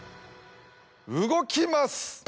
動きます！